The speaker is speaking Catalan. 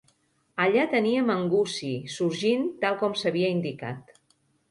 Allà teníem en Gussie, sorgint tal com s'havia indicat.